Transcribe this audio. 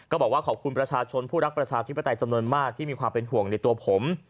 บอกว่าขอบคุณประชาชนผู้รักประชาธิปไตยจำนวนมากที่มีความเป็นห่วงในตัวผม